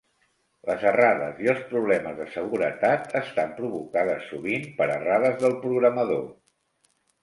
Les errades i els problemes de seguretat estan provocades sovint per errades del programador.